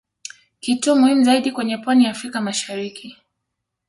Kituo muhimu zaidi kwenye pwani ya Afrika mashariki